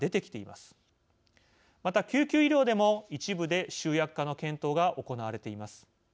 また救急医療でも一部で集約化の検討が行われています。